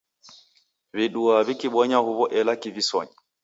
W'iduaa w'ikibonya huw'o ela kivisonyi.